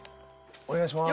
お願いします。